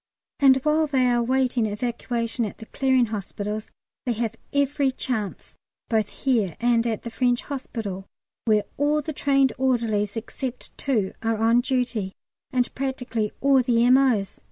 And while they are awaiting evacuation to the Clearing Hospitals they have every chance, both here and at the French Hospital, where all the trained orderlies except two are on duty, and practically all the M.O.'s.